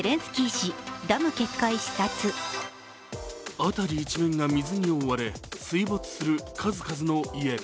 辺り一面が水に覆われ、水没する数々の家。